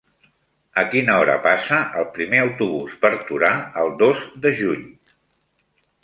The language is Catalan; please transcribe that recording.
A quina hora passa el primer autobús per Torà el dos de juny?